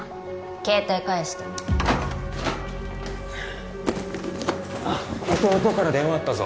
携帯返して弟から電話あったぞ